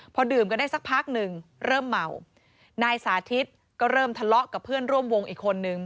พอดื่มกันได้สักพักหนึ่งเริ่มเมานายสาธิตก็เริ่มทะเลาะกับเพื่อนร่วมวงอีกคนนึง